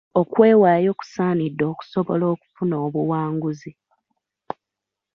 Okwewaayo kusaanidde okusobola okufuna obuwanguzi